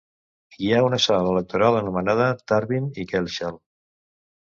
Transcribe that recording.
Hi ha una sala electoral anomenada Tarvin i Kelsall.